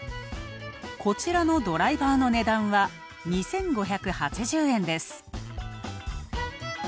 こちらのドライバーの値段は２５８０円です。